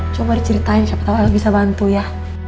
coba diceritain siapa tau el bisa bantu ya